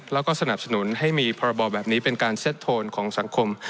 แล้วก็สนับสนุนให้มีพรบแบบนี้เป็นการเซ็ตโทนของสังคม